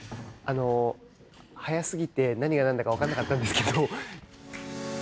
速過ぎて何がなんだか分からなかったんですけど。